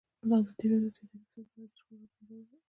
ازادي راډیو د اداري فساد په اړه د شخړو راپورونه وړاندې کړي.